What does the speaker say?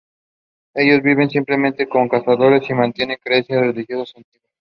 Ellos viven simplemente como cazadores y mantienen creencias religiosas antiguas.